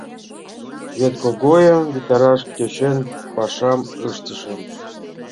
Вет Когойым витараш тӧчен пашам ыштышым.